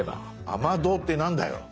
雨どうって何だよ。